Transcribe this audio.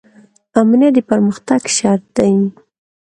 امنیت د پرمختګ شرط دی